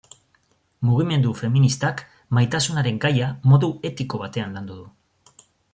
Mugimendu feministak maitasunaren gaia modu etiko batean landu du.